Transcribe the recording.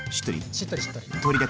しっとりしっとり。